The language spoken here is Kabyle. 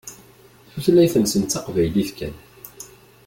Tutlayt-nsen d taqbaylit kan.